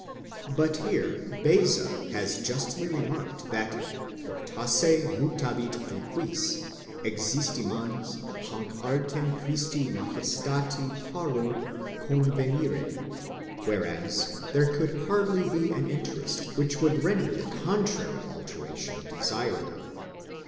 7 But here Beza has justly remarked that fortasse mutavit aliguis, existimans, hance artem Christi majestati parum convenire ; whereas there could hardly be an interest which would render the contrary alteration desirable.